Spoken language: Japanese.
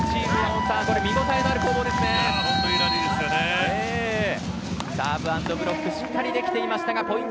サーブアンドブロックしっかりできていましたがポイント